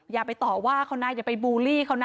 อย่าไปต่อว่าเขานะอย่าไปบูลลี่เขานะ